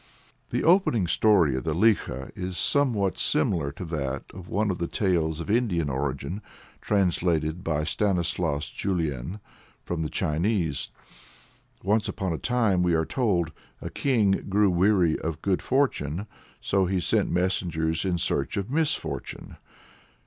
'" The opening of the story of Likho is somewhat similar to that of one of the tales of Indian origin translated by Stanislas Julien from the Chinese. Once upon a time, we are told, a king grew weary of good fortune, so he sent messengers in search of misfortune.